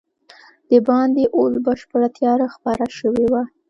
دباندې اوس بشپړه تیاره خپره شوې وه.